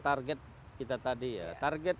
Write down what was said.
target kita tadi ya target